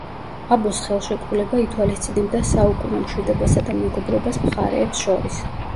აბოს ხელშეკრულება ითვალისწინებდა „საუკუნო მშვიდობასა და მეგობრობას“ მხარეებს შორის.